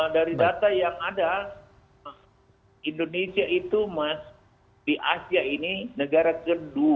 dari data yang ada indonesia itu mas di asia ini negara kedua